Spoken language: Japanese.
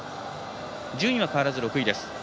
順位は変わらず６位です。